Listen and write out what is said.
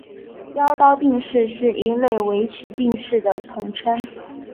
妖刀定式是一类围棋定式的统称。